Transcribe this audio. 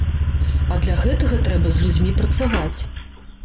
А для гэтага трэба з людзьмі працаваць.